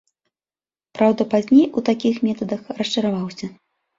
Праўда, пазней у такіх метадах расчараваўся.